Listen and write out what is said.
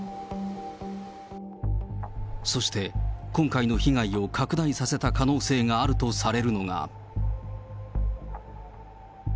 そして今回の被害を拡大させた可能性があるとされるのが。